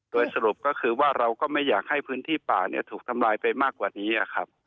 โดยสรุปก็คือว่าเราก็ไม่อยากให้พื้นที่ป่าถูกทำลายไปมากกว่านี้ครับ